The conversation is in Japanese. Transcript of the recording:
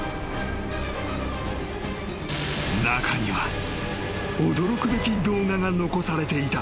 ［中には驚くべき動画が残されていた］